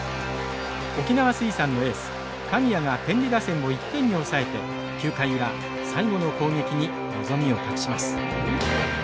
沖縄水産のエース神谷が天理打線を１点に抑えて９回裏最後の攻撃に望みを託します。